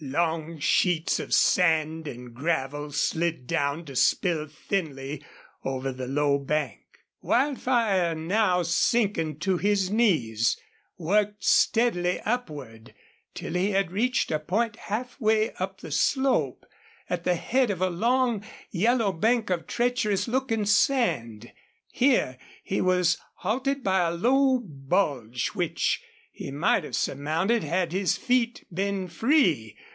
Long sheets of sand and gravel slid down to spill thinly over the low bank. Wildfire, now sinking to his knees, worked steadily upward till he had reached a point halfway up the slope, at the head of a long, yellow bank of treacherous looking sand. Here he was halted by a low bulge, which he might have surmounted had his feet been free.